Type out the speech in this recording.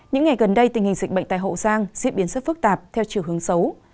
những ngày gần đây tình hình dịch bệnh tại hậu giang diễn biến rất phức tạp theo chiều hướng xấu